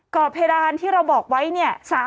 ่อเพดานที่เราบอกไว้เนี่ย